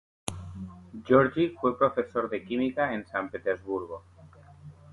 Georgi fue profesor de química en San Petersburgo.